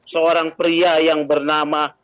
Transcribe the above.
seorang pria yang bernama